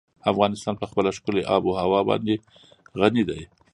افغانستان په خپله ښکلې آب وهوا باندې غني دی.